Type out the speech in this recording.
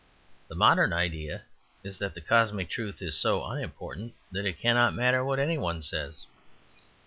The modern idea is that cosmic truth is so unimportant that it cannot matter what any one says.